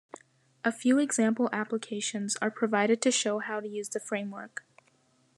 A few example applications are provided to show how to use the framework.